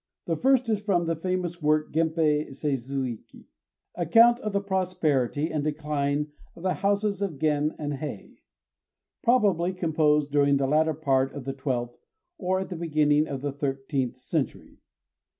The first is from the famous work Gempei Seisuiki ("Account of the Prosperity and Decline of the Houses of Gen and Hei"), probably composed during the latter part of the twelfth, or at the beginning of the thirteenth century.